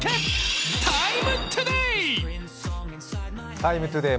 「ＴＩＭＥ，ＴＯＤＡＹ」